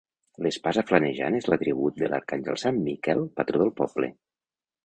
L'espasa flamejant és l'atribut de l'arcàngel sant Miquel, patró del poble.